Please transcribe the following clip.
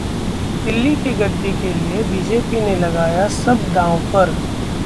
दिल्ली की गद्दी के लिए बीजेपी ने लगाया सब दांव पर